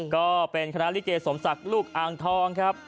ก็เป็นคณะลิเกสมศักดิ์ลูกอ่างทองครับ